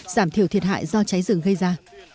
giảm thiểu thiệt hại do cháy rừng gây ra